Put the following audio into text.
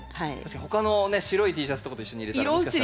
他のね白いＴシャツとかと一緒に入れたらもしかしたら。